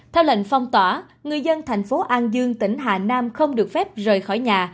theo lệnh phong tỏa người dân thành phố an dương tỉnh hà nam không được phép rời khỏi nhà